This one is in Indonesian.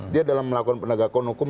dia dalam melakukan penegakan hukum